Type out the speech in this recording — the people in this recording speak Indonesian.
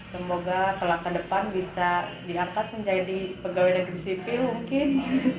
semoga kalau ke depan bisa diangkat menjadi pegawai negeri sipil mungkin